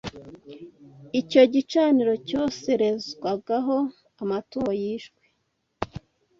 Icyo gicaniro cyoserezwagaho amatungo yishwe